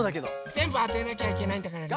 ぜんぶあてなきゃいけないんだからね。